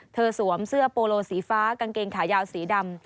สวมเสื้อโปโลสีฟ้ากางเกงขายาวสีดำ